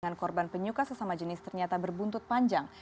dengan korban penyuka sesama jenis ternyata berbuntut panjang